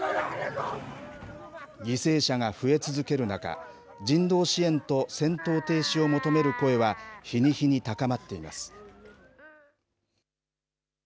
犠牲者が増え続ける中人道支援と戦闘停止を求める声は日に日に高まっています。